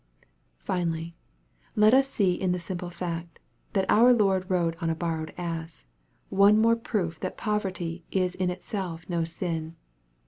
Finally, let us see in the simple fact, that our Lord rode on a borrowed ass, one more proof that poverty is in itself no sin.